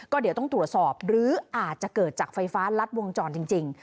ก็เดี๋ยวต้องตรวจสอบหรืออาจจะเกิดจากไฟฟ้ารัดวงจรจริง